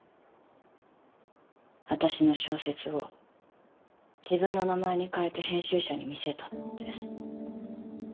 私の小説を自分の名前に変えて編集者に見せたって。